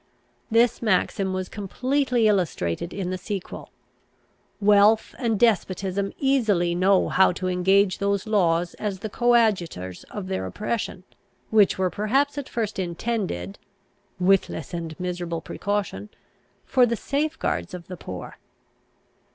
This maxim was completely illustrated in the sequel. Wealth and despotism easily know how to engage those laws as the coadjutors of their oppression, which were perhaps at first intended [witless and miserable precaution!] for the safeguards of the poor.